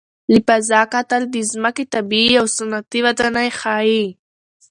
له فضا کتل د ځمکې طبیعي او صنعتي ودانۍ ښيي.